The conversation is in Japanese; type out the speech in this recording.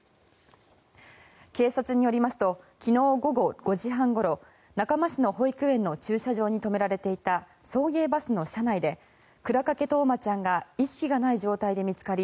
警察によりますと昨日午後５時半ごろ中間市の保育園の駐車場に止められていた送迎バスの車内で倉掛冬生ちゃんが意識がない状態で見つかり